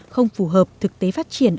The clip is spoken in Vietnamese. không phù hợp thực tế phát triển